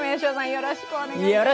よろしくお願いします